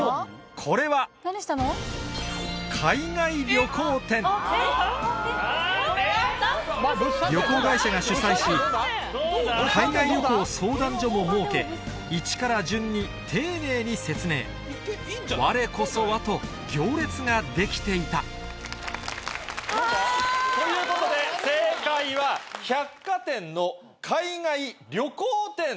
これは旅行会社が主催し海外旅行相談所も設けイチから順に丁寧に説明われこそは！と行列ができていたということで正解は百貨店の海外旅行展。